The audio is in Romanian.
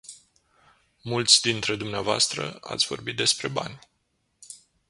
Mulți dintre dvs. ați vorbit despre bani.